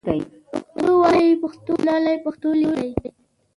پښتو وايئ ، پښتو لولئ ، پښتو ليکئ